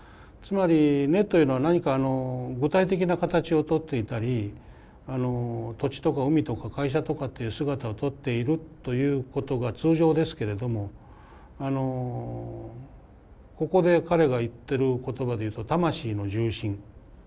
つまり根というのは何か具体的な形をとっていたり土地とか海とか会社とかっていう姿をとっているということが通常ですけれどもあのここで彼が言ってる言葉で言うと「魂の重心」。